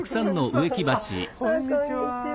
こんにちは。